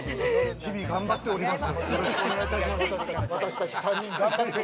日々頑張っております。